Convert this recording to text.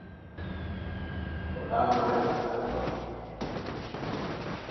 O daa mali asahi pam.